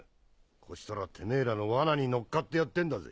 こちとらてめぇらの罠に乗っかってやってんだぜ。